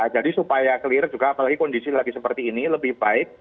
jadi supaya clear juga apalagi kondisi lagi seperti ini lebih baik